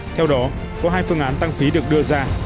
theo đó có hai phương án tăng phí được đưa ra